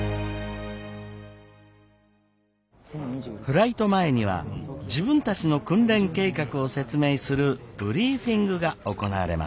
フライト前には自分たちの訓練計画を説明するブリーフィングが行われます。